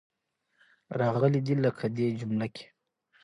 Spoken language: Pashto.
راغلې دي. لکه دې جمله کې.